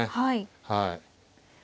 はい。